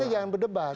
kita jangan berdebat